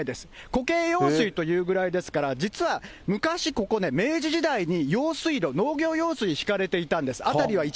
虎渓用水というぐらいですから、実は昔ここね、明治時代に用水路、農業用水引かれていたんです。